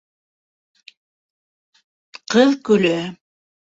Ҡыҙ көлә.